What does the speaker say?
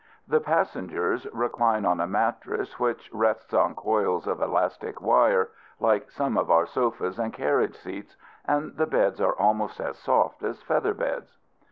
The passenger reclines on a mattress, which rests on coils of elastic wire, like some of our sofas and carriage seats; and the beds are almost as soft as feather beds.